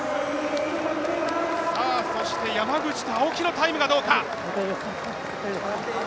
そして、山口と青木のタイムがどうか。